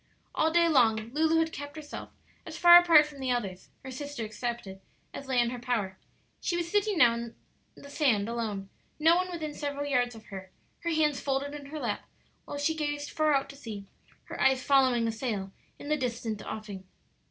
All day long Lulu had kept herself as far apart from the others her sister excepted as lay in her power. She was sitting now alone in the sand, no one within several yards of her, her hands folded in her lap, while she gazed far out to sea, her eyes following a sail in the distant offing.